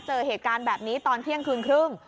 เจอเหตุการณ์แบบนี้ตอนเที่ยงคืนครึ่ง